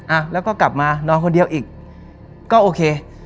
อ่ะแล้วก็กลับมานอนคนเดียวอีกก็โอเค